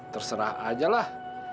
terserah aja lah